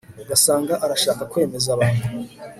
ugasanga arashaka kwemeza abantu